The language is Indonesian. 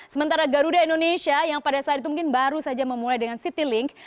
sementara garuda indonesia yang pada saat itu mungkin baru saja memulai dengan citylink